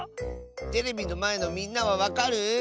テレビのまえのみんなはわかる？